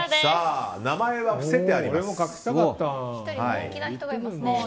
名前は伏せてあります。